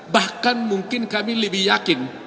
bahkan mungkin kami lebih yakin